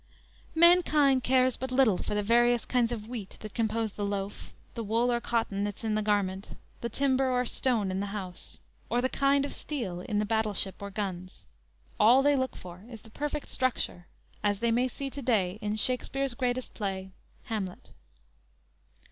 Mankind cares but little for the various kinds of wheat that compose the loaf, the wool or cotton that's in the garment, the timber or stone in the house, or the kind of steel in the battleship or guns; all they look for is the perfect structure, as they may see to day in Shakspere's greatest play "Hamlet."